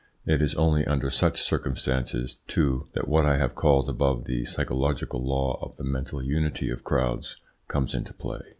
It is only under such circumstances, too, that what I have called above the PSYCHOLOGICAL LAW OF THE MENTAL UNITY OF CROWDS comes into play.